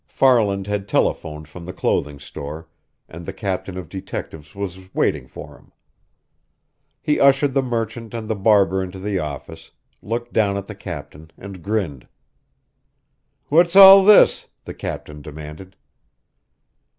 Farland had telephoned from the clothing store, and the captain of detectives was waiting for him. He ushered the merchant and the barber into the office, looked down at the captain, and grinned. "What's all this?" the captain demanded.